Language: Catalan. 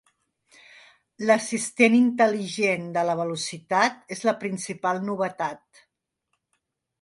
L'Assistent Intel·ligent de la Velocitat és la principal novetat.